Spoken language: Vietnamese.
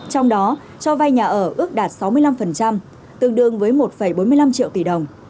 trong đó cho vay nhà ở ước đạt sáu mươi năm tương đương với một bốn mươi năm triệu tỷ đồng